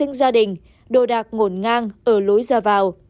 vệ sinh gia đình đồ đạc ngổn ngang ở lối ra vào